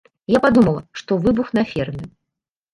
Я падумала, што выбух на ферме.